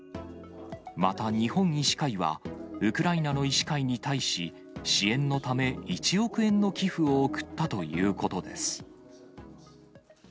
また、日本医師会はウクライナの医師会に対し、支援のため、１億円の寄付を送ったということです。